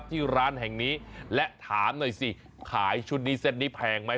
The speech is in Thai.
ที่ร้านแห่งนี้และถามหน่อยสิขายชุดนี้เซ็ตนี้แพงไหม